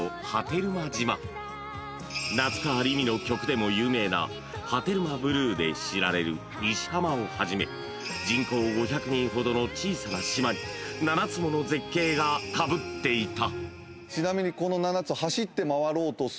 ［夏川りみの曲でも有名な『波照間ブルー』で知られるニシ浜をはじめ人口５００人ほどの小さな島に７つもの絶景がかぶっていた］